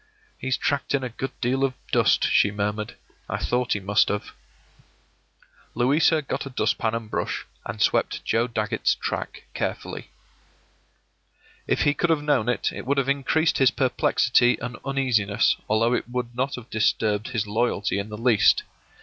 “He's tracked in a good deal of dust,” she murmured. “I thought he must have.” Louisa got a dust pan and brush, and swept Joe Dagget's track carefully. If he could have known it, it would have increased his perplexity and uneasiness, although it would not have disturbed his loyalty in the least.